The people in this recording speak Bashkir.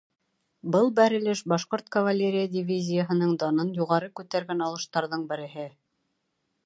Был бәрелеш — Башҡорт кавалерия дивизияһының данын юғары күтәргән алыштарҙың береһе.